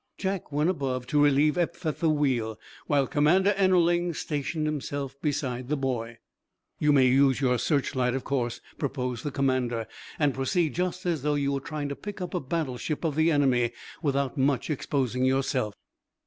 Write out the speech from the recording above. Jack went above to relieve Eph at the wheel, while Commander Ennerling stationed himself beside the boy. "You may use your searchlight, of course," proposed the commander, "and proceed just as though you were trying to pick up a battleship of the enemy without much exposing yourself."